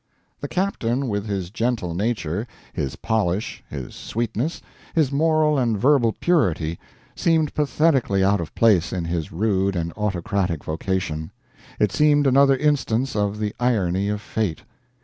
The captain, with his gentle nature, his polish, his sweetness, his moral and verbal purity, seemed pathetically out of place in his rude and autocratic vocation. It seemed another instance of the irony of fate.